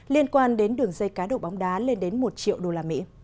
liên quan đến đường dây cá độ bóng đá lên đến một triệu usd